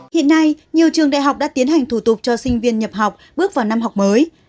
hiện nay nhiều trường đại học đã tiến hành thủ tục cho sinh viên nhập học bước vào năm học mới